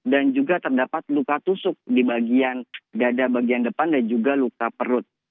dan juga terdapat luka tusuk di bagian dada bagian depan dan juga luka perut